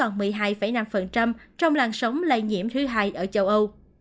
tỷ lệ này đã giảm xuống còn một mươi hai năm trong làn sóng lây nhiễm thứ hai ở châu âu